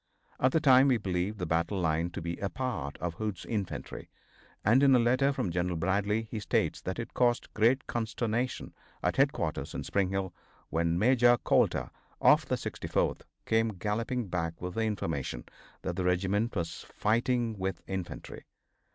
At the time we believed the battle line to be a part of Hood's infantry, and in a letter from General Bradley he states that it caused great consternation at headquarters in Spring Hill when Major Coulter, of the 64th, came galloping back with the information that the regiment was fighting with infantry.